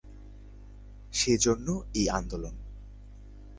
সে জন্য এই আন্দোলন।